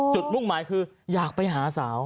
มุ่งหมายคืออยากไปหาสาว